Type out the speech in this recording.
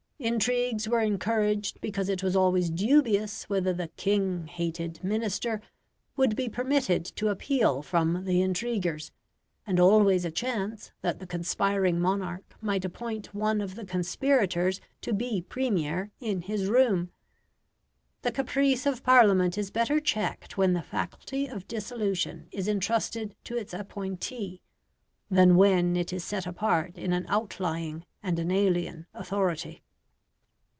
Intrigues were encouraged because it was always dubious whether the king hated Minister would be permitted to appeal from the intriguers, and always a chance that the conspiring monarch might appoint one of the conspirators to be Premier in his room. The caprice of Parliament is better checked when the faculty of dissolution is entrusted to its appointee, than when it is set apart in an outlying and an alien authority.